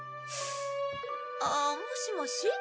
ああもしもし？